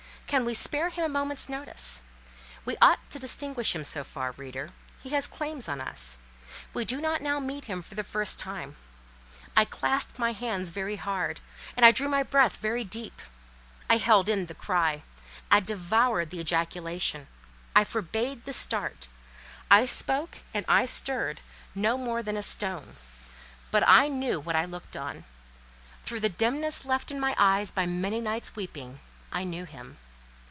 Can we spare him a moment's notice? We ought to distinguish him so far, reader; he has claims on us; we do not now meet him for the first time. I clasped my hands very hard, and I drew my breath very deep: I held in the cry, I devoured the ejaculation, I forbade the start, I spoke and I stirred no more than a stone; but I knew what I looked on; through the dimness left in my eyes by many nights' weeping, I knew him.